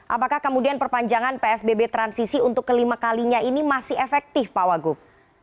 apakah kemudian perpanjangan psbb transisi untuk kelima kalinya ini masih efektif pak wagub